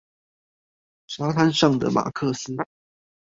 沙灘上的馬克思